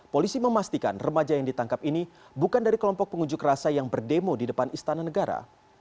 polisi memastikan remaja yang ditangkap ini bukan dari kelompok pengunjuk rasa yang berdemo di depan istana negara